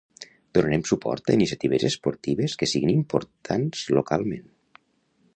Donarem suport a iniciatives esportives que siguin importants localment.